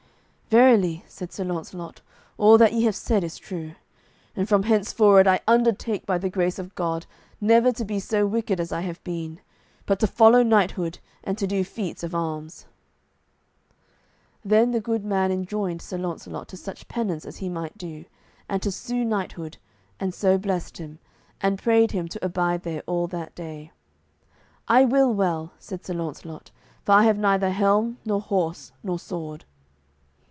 "Verily," said Sir Launcelot, "all that ye have said is true, and from henceforward I undertake by the grace of God never to be so wicked as I have been, but to follow knighthood and to do feats of arms." Then the good man enjoined Sir Launcelot to such penance as he might do, and to sue knighthood, and so blessed him, and prayed him to abide there all that day. "I will well," said Sir Launcelot, "for I have neither helm, nor horse, nor sword."